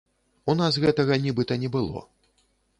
У нас гэтага нібыта не было.